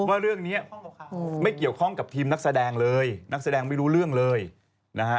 ว่าเรื่องนี้ไม่เกี่ยวข้องกับทีมนักแสดงเลยนักแสดงไม่รู้เรื่องเลยนะฮะ